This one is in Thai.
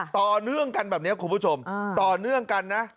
ต่อเนื่องกันแบบนี้คุณผู้ชมต่อเนื่องกันนะ